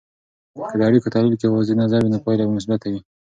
که د اړیکو تحلیل کې واضح نظر وي، نو پایله به مثبته وي.